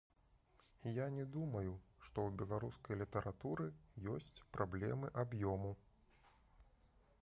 Я не думаю, што ў беларускай літаратуры ёсць праблема аб'ёму.